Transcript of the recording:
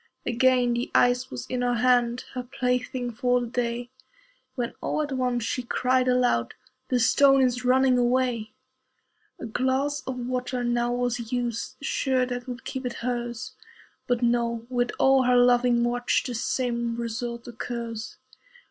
Again the ice was in her hand, Her plaything for the day, When all at once she cried aloud, "The stone is running away." A glass of water now was used, Sure that would keep it hers. But no! with all her loving watch The same result occurs.